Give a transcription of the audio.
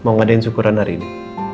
mau ngadain syukuran hari ini